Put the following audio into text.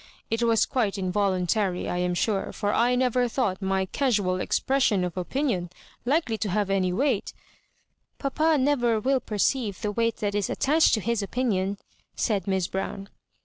It was quite in voluntary, I am sure, for I never thought my casual expression of opinion likely to have any weight "" Papa never will perceive the weight that is attached to his opinion," said Miss Brown.